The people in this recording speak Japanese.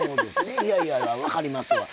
いやいやいや分かりますわ。